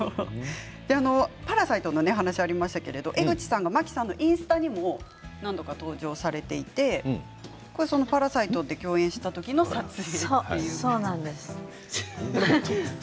「パラサイト」の話がありましたが江口さんは真木さんのインスタにも何度か登場されていて「パラサイト」で共演した時の写真ですね。